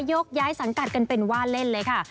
ยกย้ายสังกัดกันเป็นว่าเล่นเลยค่ะ